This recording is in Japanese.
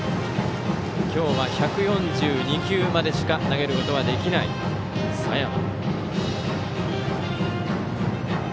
今日は１４２球までしか投げることはできない佐山。